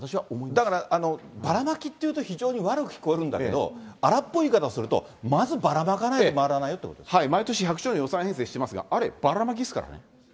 だから、ばらまきというと、非常に悪く聞こえるんだけれども、荒っぽい言い方すると、まずばら毎年１００兆の予算編成をしてますが、あれ、ばらまきですからね。